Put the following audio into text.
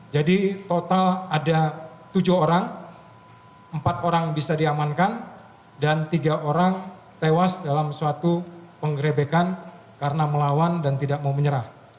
jadi total ada tujuh orang empat orang bisa diamankan dan tiga orang tewas dalam suatu penggerebekan karena melawan dan tidak mau menyerah